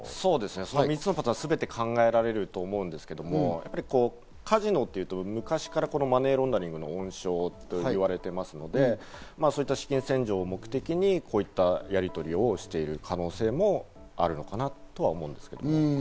その３つのパターン、全て考えられると思うんですけど、カジノというと、昔からこのマネーロンダリングの温床と言われていますので、そういった資金洗浄を目的にこういったやりとりをしている可能性もあるのかなと思うんですけど。